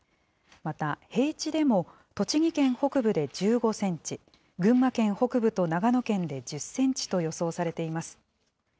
また、平地でも栃木県北部で１５センチ、群馬県北部と長野県で１０センチと予想されています。